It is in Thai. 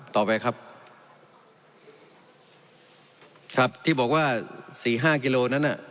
ต่อไปครับที่บอกว่า๔๕กิโลเมตรนั้น